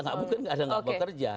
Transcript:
enggak mungkin enggak ada enggak bekerja